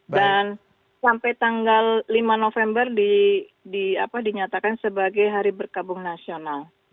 dan sampai tanggal lima november dinyatakan sebagai hari berkabung nasional